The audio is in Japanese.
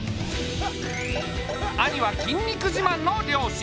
兄は筋肉じまんの漁師。